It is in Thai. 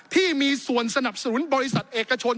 ที่มีส่วนสนับสนุนบริษัทเอกชน